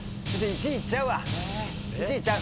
１位いっちゃう。